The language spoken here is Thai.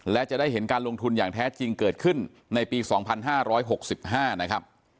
และจะได้เห็นการลงทุนอย่างแท้จริงเกิดขึ้นในปี๒๕๖๕นะครับ